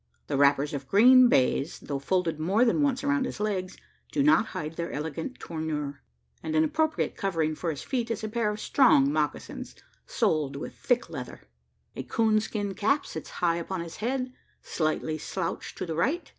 The wrappers of green baize, though folded more than once around his legs, do not hide their elegant tournure; and an appropriate covering for his feet is a pair of strong mocassins, soled with thick leather. A coon skin cap sits high upon his head slightly slouched to the right.